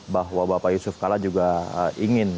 bahwa bapak yusuf kalla juga ingin